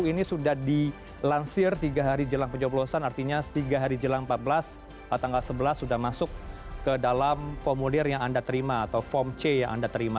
ini sudah dilansir tiga hari jelang pencoblosan artinya tiga hari jelang empat belas tanggal sebelas sudah masuk ke dalam formulir yang anda terima atau form c yang anda terima